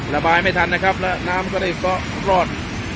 ระบายไม่ทันนะครับและน้ำก็ได้รอด